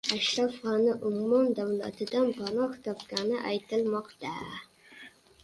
Ashraf G‘ani Ummon davlatidan panoh topgani aytilmoqda